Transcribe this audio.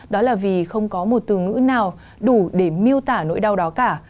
đó là vì không có một từ ngữ nào đủ để miêu tả nỗi đau đó cả